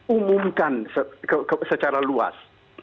umumkan secara luas